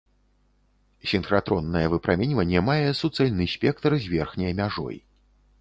Сінхратроннае выпраменьванне мае суцэльны спектр з верхняй мяжой.